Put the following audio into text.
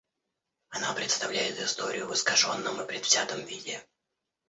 Она представляет историю в искаженном и предвзятом виде.